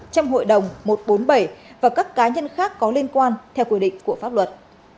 trong hội đồng một trăm bốn mươi bảy và các cá nhân khác có liên quan theo quy định của pháp luật